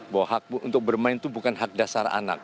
bahwa hak untuk bermain itu bukan hak dasar anak